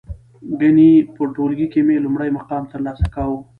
گني په ټولگي کې مې لومړی مقام ترلاسه کاوه.